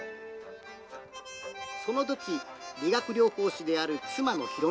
そのとき、理学療法士である妻の妃呂